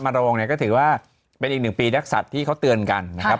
โรงเนี่ยก็ถือว่าเป็นอีกหนึ่งปีนักศัตริย์ที่เขาเตือนกันนะครับ